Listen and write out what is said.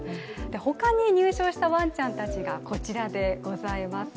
他に入賞したわんちゃんたちがこちらでございます。